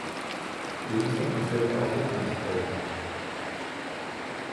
Ebenso entfällt auch die Bremsprobe.